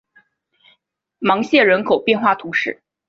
芒谢人口变化图示